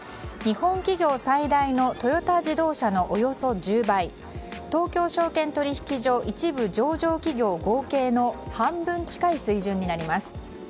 日本企業最大のトヨタ自動車のおよそ１０倍東京証券取引所１部上場企業合計の半分近い水準になります。